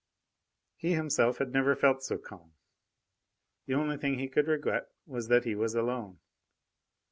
He himself had never felt so calm. The only thing he could regret was that he was alone.